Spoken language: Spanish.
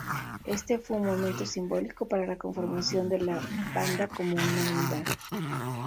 Este fue un momento simbólico para la conformación de la banda como una unidad.